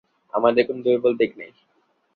আমাদের কোনো দুর্বল দিক নেই।